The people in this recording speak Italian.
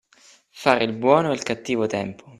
Fare il buono e il cattivo tempo.